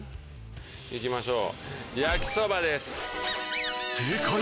いきましょう。